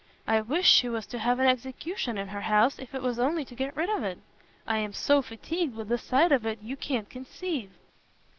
I wish she was to have an execution in her house, if it was only to get rid of it! I am so fatigued with the sight of it you can't conceive."